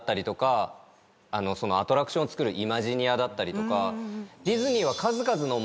アトラクションを作るイマジニアだったりとか。